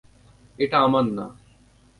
এটা আমার না!